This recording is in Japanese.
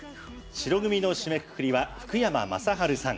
白組の締めくくりは福山雅治さん。